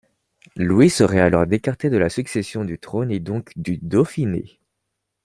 Louis serait alors écarté de la succession du trône et donc du Dauphiné.